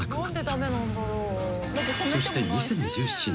［そして２０１７年］